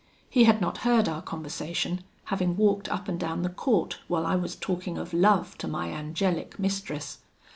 He had not heard our conversation, having walked up and down the court while I was talking of love to my angelic mistress.